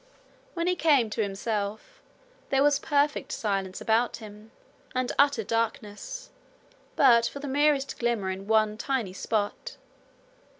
When he came to himself there was perfect silence about him, and utter darkness, but for the merest glimmer in one tiny spot.